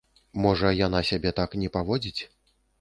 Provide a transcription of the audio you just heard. Можа, яна сябе не так паводзіць?